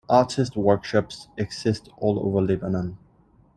Artist workshops exist all over Lebanon.